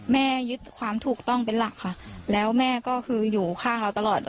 ยึดความถูกต้องเป็นหลักค่ะแล้วแม่ก็คืออยู่ข้างเราตลอด